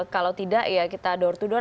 kalau tidak ya kita door to door